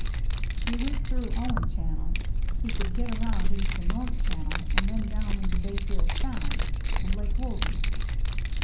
If he went through Owen Channel, he could get around into the North Channel, and then down into Bayfield Sound and Lake Wolsey.